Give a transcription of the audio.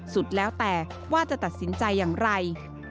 สุดแล้วแต่ว่าจะตัดสินใจอย่างไร